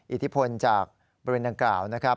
อิทธิพลจากบริเวณดังกล่าวนะครับ